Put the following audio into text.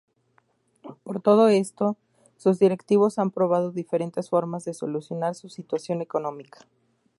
Por todo esto, sus directivos han probado diferentes formas de solucionar su situación económica.